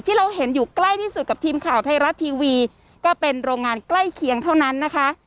ที่เราเห็นอยู่ใกล้ที่สุดกับทีมข่าวไทยรัฐทีวีก็เป็นโรงงานใกล้เคียงเท่านั้นนะคะ